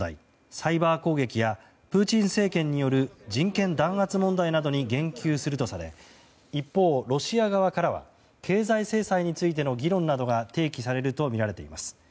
サイバー攻撃やプーチン政権による人権弾圧問題などに言及するとされ一方、ロシア側からは経済制裁についての議論などが提起されるとみられています。